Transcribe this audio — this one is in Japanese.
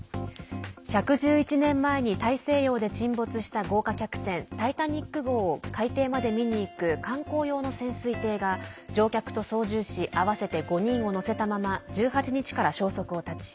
１１１年前に大西洋で沈没した豪華客船タイタニック号を海底まで見に行く観光用の潜水艇が乗客と操縦士合わせて５人を乗せたまま１８日から消息を絶ち